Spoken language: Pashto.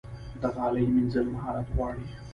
د غالۍ مینځل مهارت غواړي.